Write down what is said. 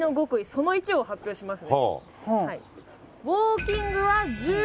その１を発表しますね。